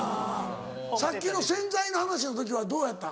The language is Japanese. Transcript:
さっきの洗剤の話の時はどうやった？